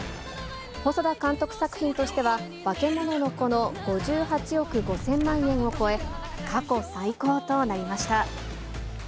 細田監督作品としては、バケモノの子の５８億５０００万円を超え、過去最高となりました。